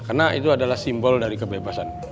karena itu adalah simbol dari kebebasan